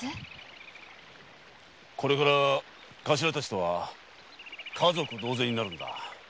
これから頭たちとは家族同然になるんだ。